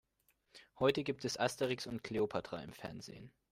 Heute gibt es Asterix und Kleopatra im Fernsehen.